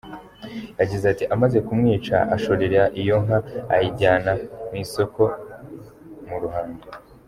Yagize ati “…Amaze kumwica ashorera iyo nka ayijyana mu isoko mu Ruhango.